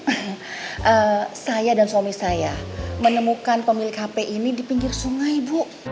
hmm saya dan suami saya menemukan pemilik hp ini di pinggir sungai bu